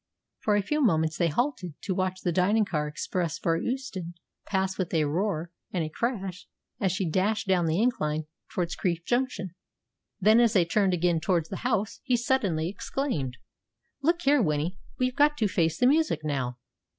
For a few moments they halted to watch the dining car express for Euston pass with a roar and a crash as she dashed down the incline towards Crieff Junction. Then, as they turned again towards the house, he suddenly exclaimed, "Look here, Winnie. We've got to face the music now.